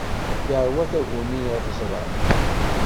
Yeṛwa taguni iɣeẓran.